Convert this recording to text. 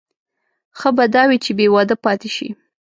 ښه به دا وي چې بې واده پاتې شي.